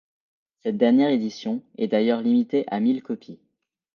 Cette dernière édition est d'ailleurs limitée à mille copies.